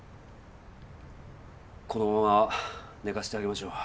このまま寝かせてあげましょう。